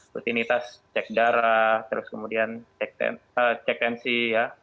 rutinitas cek darah terus kemudian cek tensi ya